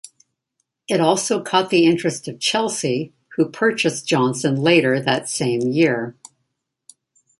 It also caught the interest of Chelsea who purchased Johnsen later that same year.